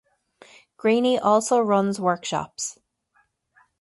Greaney also runs workshops.